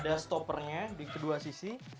ada stoppernya di kedua sisi